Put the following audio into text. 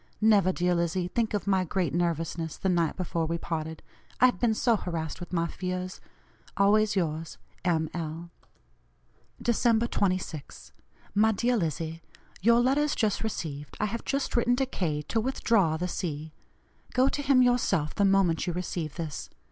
Never, dear Lizzie, think of my great nervousness the night before we parted; I had been so harassed with my fears. "Always yours, "M. L." "December 26. "MY DEAR LIZZIE: Your letters just received. I have just written to K. to withdraw the C. Go to him yourself the moment you receive this.